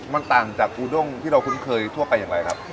มันต่างจากอูด้งที่เราคุ้นเคยทั่วไปอย่างไรครับ